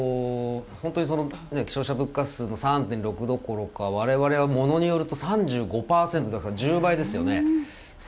本当に消費者物価指数の３．６どころか我々はものによると３５％、だから１０倍ですよね。